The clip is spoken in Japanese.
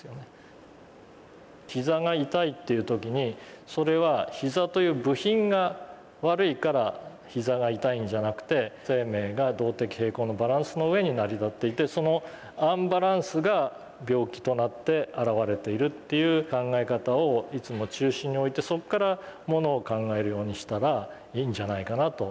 膝が痛いっていう時にそれは膝という部品が悪いから膝が痛いんじゃなくて生命が動的平衡のバランスの上に成り立っていてそのアンバランスが病気となって現れているっていう考え方をいつも中心に置いてそっからものを考えるようにしたらいいんじゃないかなと。